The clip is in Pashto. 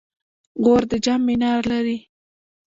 غور د جام منار لري